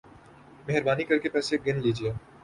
مہربانی کر کے پیسے گن لیجئے